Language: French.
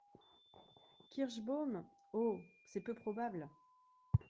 Kirschbaum. — Oh ! c’est peu probable.